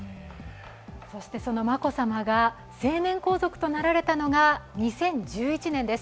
そしてその眞子さまが成年皇族となられたのが２０１１年です。